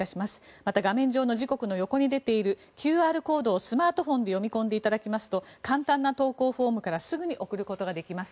また、画面上の時刻の横に出ているＱＲコードをスマートフォンで読み込んでいただきますと簡単な投稿フォームからすぐに送ることができます。